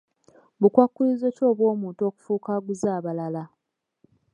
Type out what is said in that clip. Bukwakkulizo ki obw'omuntu okufuuka aguza abalala?